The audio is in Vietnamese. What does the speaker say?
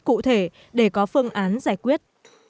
cụ thể để có phương án giải quyết